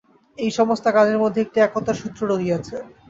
এই-সমস্ত কাজের মধ্যে একটি একতার সূত্র রহিয়াছে।